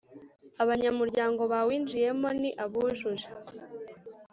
Abanyamuryango bawinjiyemo ni abujuje